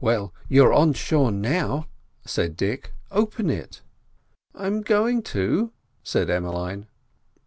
"Well, you're ashore now," said Dick; "open it." "I'm going to," said Emmeline.